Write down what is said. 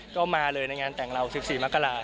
ก็มาเลยในงานแต่งเรา๑๔มกราศ